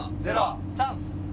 チャンス！